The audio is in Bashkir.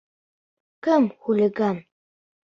Кем хулиган?